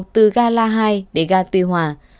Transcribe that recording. từ ga la hai đến ga tuy hòa